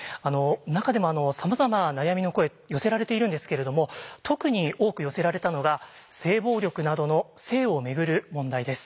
中でもさまざま悩みの声寄せられているんですけれども特に多く寄せられたのが性暴力などの性をめぐる問題です。